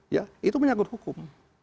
ya itu menyangkut hukum